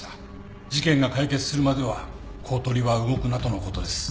事件が解決するまでは公取は動くなとのことです。